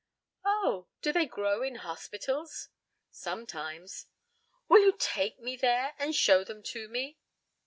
"Oh, do they grow in hospitals?" "Sometimes." "Will you take me there and show them to me?"